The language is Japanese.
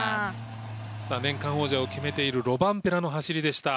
年間王者を決めているロバンペラの走りでした。